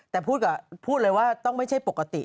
แต่พูดก่อนพูดเลยว่าต้องไม่ใช่ปกติ